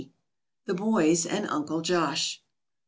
THE BOYS AND UNCLE JOSH.